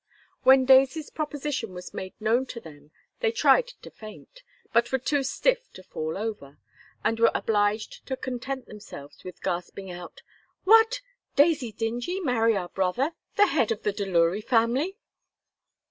When Daisy's proposition was made known to them they tried to faint, but were too stiff to fall over, and were obliged to content themselves with gasping out: "What! Daisy Dingee marry our brother, the head of the Delury family!"